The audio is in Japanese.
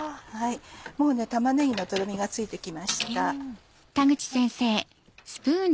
もう玉ねぎのとろみがついて来ました。